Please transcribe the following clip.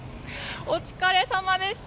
お疲れ様でした。